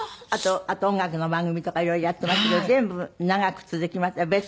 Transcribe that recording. あと音楽の番組とか色々やってますけど全部長く続きましたよ。